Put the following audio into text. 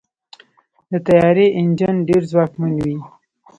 د طیارې انجن ډېر ځواکمن وي.